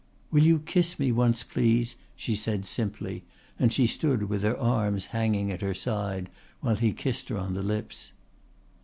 "Will you kiss me once, please," she said simply, and she stood with her arms hanging at her side, whilst he kissed her on the lips.